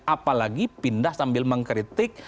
apalagi pindah sambil mengkritik